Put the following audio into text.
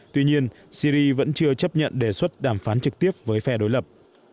tuy nhiên syri vẫn chưa chấp nhận đề xuất đàm phán trực tiếp với phe đối lập